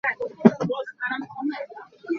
Ram chungah raldohnak a um tikah ralzam tampi an um.